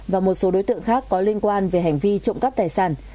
và một số đối tượng khác có liên quan về hành vi trộm cắp tài sản